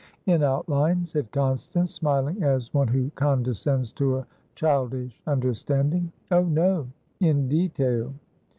"In outline," said Constance, smiling as one who condescends to a childish understanding. "Oh no, in detail."